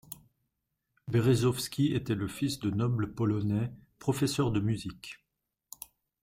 Berezowski était le fils de nobles polonais, professeurs de musique.